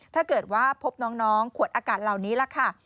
ถ้าเกิดว่าพบน้องขวดอากาศเหล่านี้ล่ะค่ะ